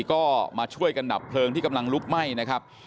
ก็มาช่วยกันดับเพลิงที่กำลังลุกไหม้นะครับ